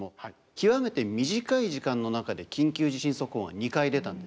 極めて短い時間の中で緊急地震速報が２回出たんですよ。